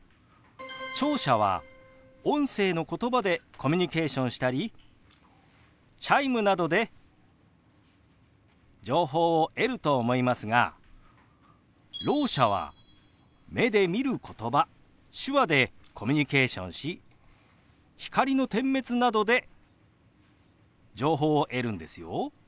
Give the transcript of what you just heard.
聴者は音声のことばでコミュニケーションしたりチャイムなどで情報を得ると思いますがろう者は目で見ることば手話でコミュニケーションし光の点滅などで情報を得るんですよ。